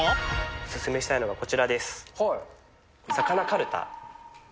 お勧めしたいのがこちらです。